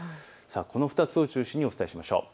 この２つを中心にお伝えしましょう。